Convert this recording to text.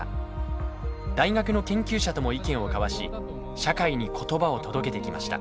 大学の研究者とも意見を交わし社会に言葉を届けてきました